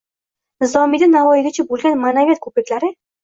Nizomiydan Navoiygacha bo‘lgan ma’naviyat ko‘priklaring